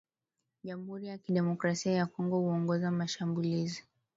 jamhuri ya kidemokrasia ya Kongo kuongoza mashambulizi